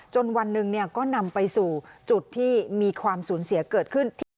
วันหนึ่งก็นำไปสู่จุดที่มีความสูญเสียเกิดขึ้นที่